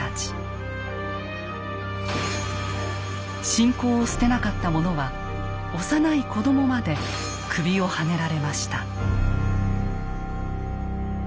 信仰を捨てなかった者は幼い子供まで首をはねられました。